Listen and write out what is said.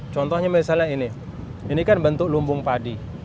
contohnya misalnya ini ini kan bentuk lumbung padi